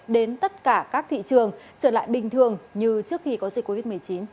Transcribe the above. đến tất cả các thị trường trở lại bình thường như trước khi có dịch covid một mươi chín